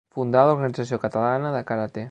Fundà l'Organització Catalana de Karate.